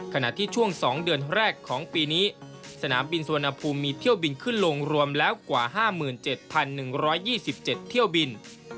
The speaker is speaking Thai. ขณะที่ช่วง๒เดือนแรกของปีนี้สนามบินสุวรรณภูมิมีเที่ยวบินขึ้นลงรวมแล้วกว่า๕๗๑๒๗เที่ยวบิน